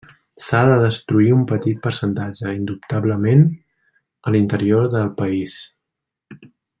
S'ha de destruir un petit percentatge, indubtablement, a l'interior del país.